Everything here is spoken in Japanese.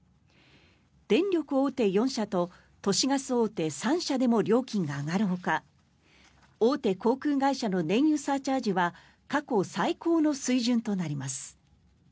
電力大手４社と都市ガス大手３社でも料金が上がるほか大手航空会社の燃油サーチャージは過去最高の水準となります。